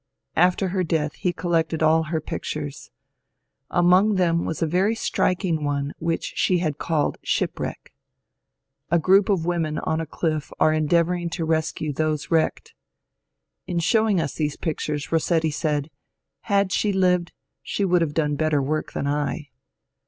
After her death he collected all her pic tures. Among them was a very striking one which she had called '^ Shipwreck." A group of women on a cliff are endeav ouring to rescue those wrecked. In showing us these pictures Rossetti said, ^ Had she lived she would have done better work than I."